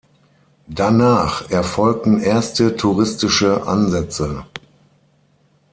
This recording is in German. Danach erfolgten erste touristische Ansätze.